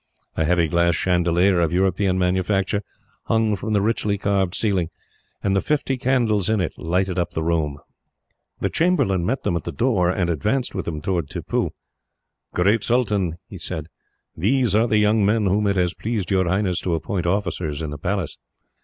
A heavy glass chandelier, of European manufacture, hung from the richly carved ceiling, and the fifty candles in it lighted up the room. The chamberlain met them at the door, and advanced with them towards Tippoo. "Great Sultan," he said, "these are the young men whom it has pleased your Highness to appoint officers in the Palace."